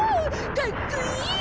かっくいい！